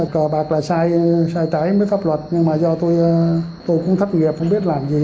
cờ bạc là sai trái mới thắp luật nhưng mà do tôi cũng thấp nghiệp không biết làm gì